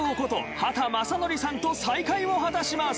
畑正憲さんと再会を果たします。